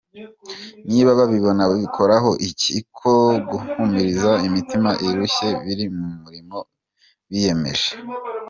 Niba babibona babikoraho iki ko guhumuriza imitima irushye bili mu mulimo biyemeje?